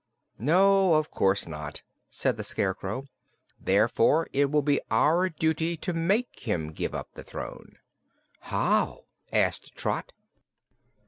"No, of course not," said the Scarecrow. "Therefore it will be our duty to make him give up the throne." "How?" asked Trot.